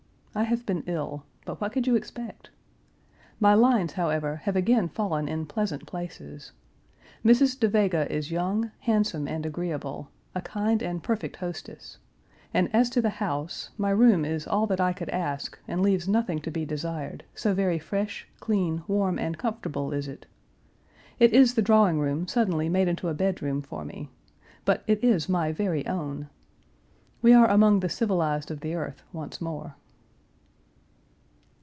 I have been ill, but what could you expect? My lines, however, have again fallen in pleasant places. Mrs. Da Vega is young, handsome, and agreeable, a kind and perfect hostess; and as to the house, my room is all that I could ask and leaves nothing to be desired; so very fresh, clean, warm, and comfortable is it. It is the drawing room suddenly made into a bedroom for me. But it is my very own. We are among the civilized of the earth once more.